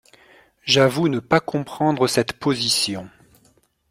J’avoue ne pas comprendre cette position.